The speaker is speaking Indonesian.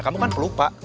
kamu kan pelupa